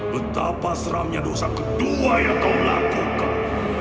betapa seramnya dosa kedua yang kau lakukan